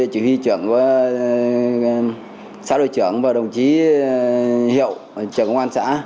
huy trưởng xã đội trưởng và đồng chí hiệu trưởng công an xã